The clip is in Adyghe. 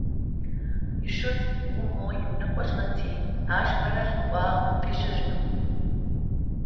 Ишъуз гъумэу иунэ кӏожьыгъэти ащ бэрэ лъыкӏуагъ къыщэжьынэу.